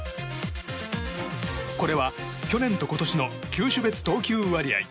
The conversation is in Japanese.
これは、去年と今年の球種別投球割合。